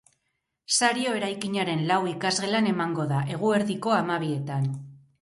Sario eraikinaren lau ikasgelan emango da, eguerdiko hamabietan.